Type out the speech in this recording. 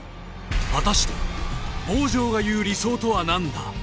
果たして坊城が言う理想とは何だ？